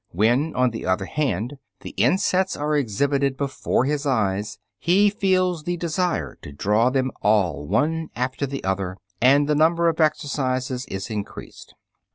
When, on the other hand, the insets are exhibited before his eyes, he feels the desire to draw them all one after the other, and the number of exercises is increased.